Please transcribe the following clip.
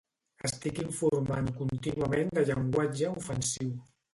Estic informant contínuament de llenguatge ofensiu